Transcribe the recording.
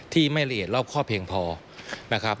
ไม่ละเอียดรอบครอบเพียงพอนะครับ